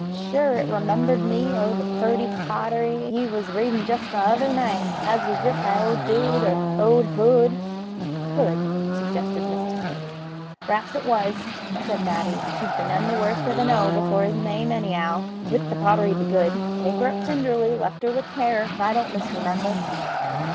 Shure it remimbered me o' the purty pottery ye was readin' just the other night, as was writ by O'Dood or O'Hood " "Hood," suggested Miss Tippet. "P'r'aps it was," said Matty; "he'd be none the worse of an O before his name anyhow. But the pottery begood with `Take her up tinderly, lift her with care,' if I don't misremimber."